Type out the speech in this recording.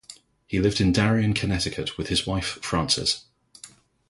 He lived in Darien, Connecticut with his wife Frances.